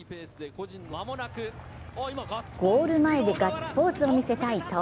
ゴール前でガッツポーズを見せた伊藤。